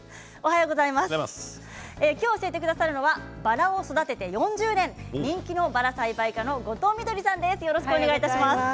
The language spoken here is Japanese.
今日教えてくださるのはバラを育てて４０年人気のバラ栽培家の後藤みどりさんです。